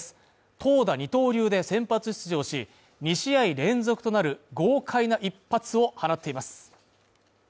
投打二刀流で先発出場し、２試合連続となる豪快な一発を放っています。